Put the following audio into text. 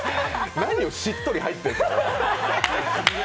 何をしっとり入ってるのよ。